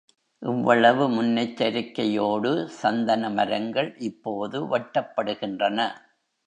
இவ்வளவு முன்னெச்சரிக்கையோடு சந்தன மரங்கள் இப்போது வெட்டப்படுகின்றன.